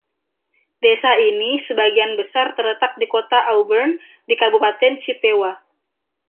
Desa ini sebagian besar terletak di Kota Auburn di Kabupaten Chippewa.